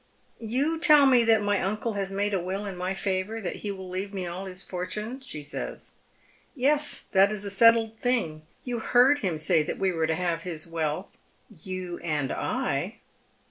" You tell me that my uncle has made a will in my favour, that he will leave me all his fortune," she says. "Yes, that is a settled thing. You heard him say that we were to have his wealth — you and T."